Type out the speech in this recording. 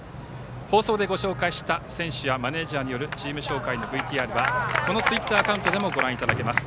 放送でご紹介した選手やマネージャーによるチーム紹介のＶＴＲはこのツイッターアカウントでもご覧いただけます。